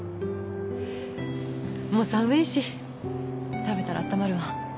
もう寒いし食べたら温まるわ。